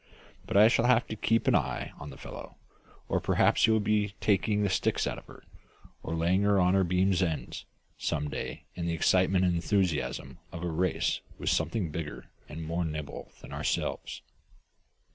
But I shall have to keep an eye on the fellow, or perhaps he will be taking the sticks out of her, or laying her on her beam ends some day in the excitement and enthusiasm of a race with something bigger and more nimble than ourselves."